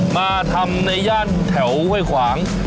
มาทำในย่านแถวห้วยขวาง